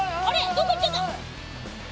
どっか行っちゃった。